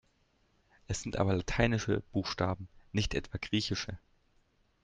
Es sind aber lateinische Buchstaben, nicht etwa griechische.